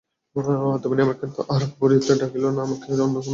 দামিনী আমাকে আর পড়িতেও ডাকিল না, আমাকে তার অন্য কোনো প্রয়োজনও হইল না।